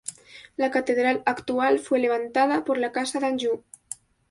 La catedral actual fue levantada por la casa de Anjou.